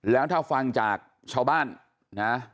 แล้วถ้าฟังจากชาวบ้านนะ